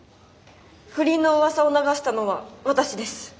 不倫のうわさを流したのは私です。